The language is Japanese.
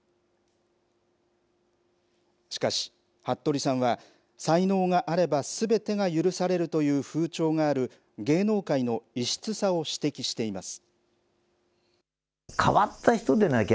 しかし、服部さんは、才能があればすべてが許されるという風潮がある、芸能界の異質さを指摘しています。